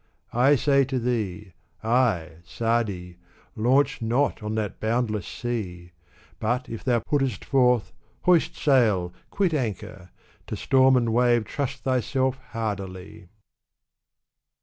I say to thee — I J Sa'di — launch not on that boundless Sea ! But, if thou puttest forth, hoist sail, quit anchor I To storm and wave trust thyself hardily